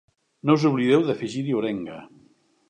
No us oblideu d'afegir-hi orenga.